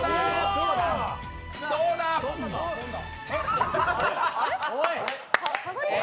どうだ？え？